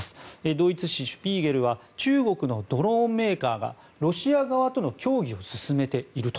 ドイツ誌「シュピーゲル」は中国のドローンメーカーがロシア側との協議を進めていると。